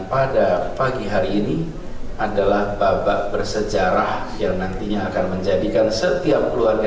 pada pagi hari ini adalah babak bersejarah yang nantinya akan menjadikan setiap keluarga